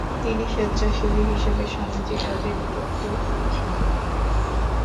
তিনি স্বেচ্ছাসেবী হিসেবে সামাজিক কাজে নিযুক্ত ছিলেন।